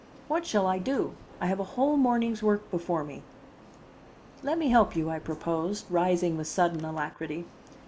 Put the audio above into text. What shall I do? I have a whole morning's work before me." "Let me help you," I proposed, rising with sudden alacrity.